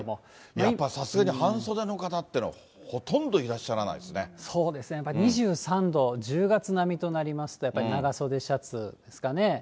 やっぱりさすがに半袖の方って、ほとんどいらっしゃらないでそうですね、２３度、１０月並みとなりますと、やっぱり長袖シャツですかね。